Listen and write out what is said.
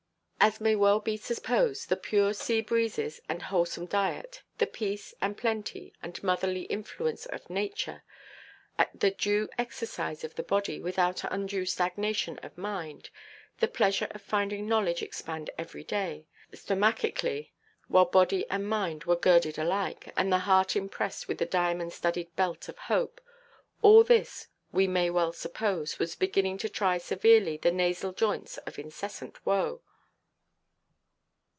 As may well be supposed, the pure sea breezes and wholesome diet, the peace and plenty, and motherly influence of nature, the due exercise of the body, without undue stagnation of mind, the pleasure of finding knowledge expand every day, stomachically, while body and mind were girded alike, and the heart impressed with the diamond–studded belt of hope—all this, we may well suppose, was beginning to try severely the nasal joints of incessant woe.